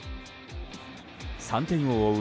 ３点を追う